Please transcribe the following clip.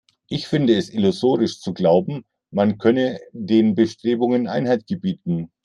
Ich finde es illusorisch zu glauben, man könne den Bestrebungen Einhalt gebieten.